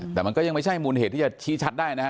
แต่มันก็ยังไม่ใช่มูลเหตุที่จะชี้ชัดได้นะฮะ